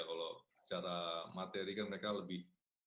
kalau secara materi kan mereka lebih